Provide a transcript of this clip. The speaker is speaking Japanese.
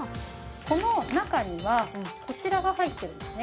この中にはこちらが入ってるんですね